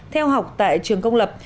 theo học tại trường công lập